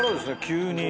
急に。